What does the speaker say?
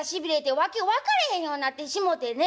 訳分からへんようになってしもうてね